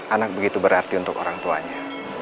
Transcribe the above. anak begitu berarti untuk orang tuanya